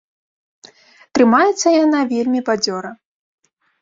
Трымаецца яна вельмі бадзёра.